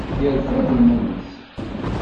yerfed iman-is.